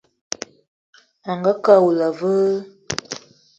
Angakë awula a veu?